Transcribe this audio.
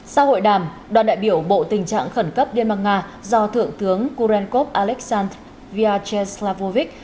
sau hội đàm đoàn đại biểu bộ tình trạng khẩn cấp liên bang nga do thượng tướng kurenkov alexand viacheslavovic